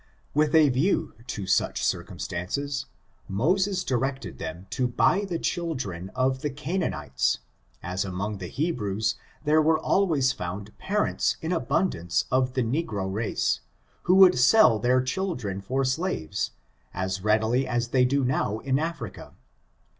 With a view to such circumstances, Moses directed (hem to buy the children of the Canaanites, as among the Hebrews there were always found parents in abundance of the negro race, who would sell their children for slaves, as readily as they do now in Af rica.